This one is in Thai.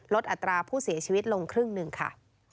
อัตราผู้เสียชีวิตลงครึ่งหนึ่งค่ะ